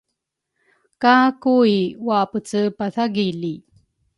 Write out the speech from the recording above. ka Kui waapece pathagili.